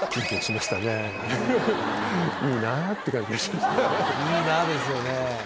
「いいなぁ」ですよね。